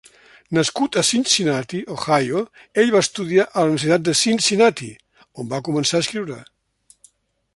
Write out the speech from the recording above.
Nascut a Cincinnati, Ohio, ell va estudiar a la Universitat de Cincinnati, on va començar a escriure.